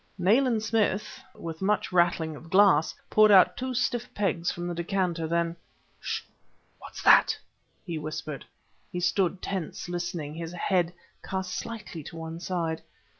Nayland Smith, with much rattling of glass, poured out two stiff pegs from the decanter. Then "_Ssh!_what's that?" he whispered. He stood, tense, listening, his head cast slightly to one side.